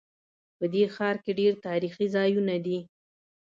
په دې ښار کې ډېر تاریخي ځایونه دي